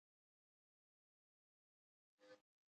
دا د دوی لپاره د حیثیت خبره وه.